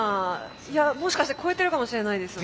いやもしかしたら超えてるかもしれないですよ。